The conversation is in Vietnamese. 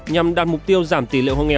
nhằm đạt mục tiêu giảm tỷ lệ hộ nghèo